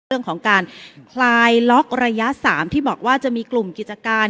เรื่องของการคลายล็อกระยะ๓ที่บอกว่าจะมีกลุ่มกิจการ